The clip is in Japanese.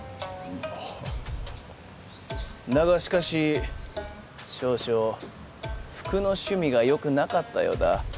だがしかし少々服の趣味が良くなかったようだ。